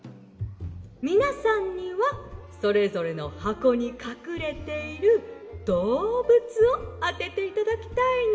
「みなさんにはそれぞれのはこにかくれているどうぶつをあてていただきたいの」。